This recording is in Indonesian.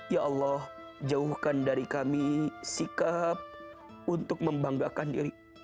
ya allah jauhkan dari kami sikap untuk membanggakan diri